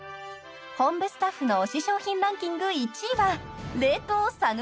［本部スタッフの推し商品ランキング１位は］